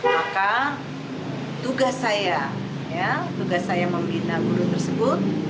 maka tugas saya ya tugas saya membina guru tersebut